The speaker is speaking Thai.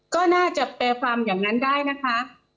ก็น่าจะแปลความอย่างนั้นได้นะคะ